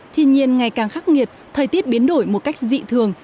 thiên nhiên ngày càng khắc nghiệt thời tiết biến đổi một cách dị thường